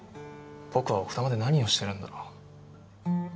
僕は奥多摩で何をしてるんだろう？